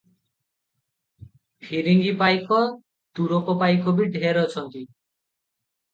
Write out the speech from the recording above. ଫିରିଙ୍ଗୀ ପାଇକ, ତୁରକ ପାଇକ ବି ଢେର ଅଛନ୍ତି ।